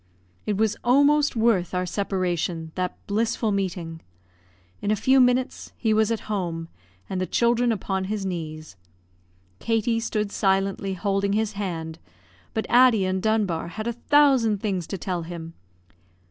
It was almost worth our separation, that blissful meeting. In a few minutes he was at home, and the children upon his knees. Katie stood silently holding his hand, but Addie and Dunbar had a thousand things to tell him.